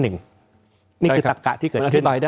นี่คือตักกะที่เกิดขึ้น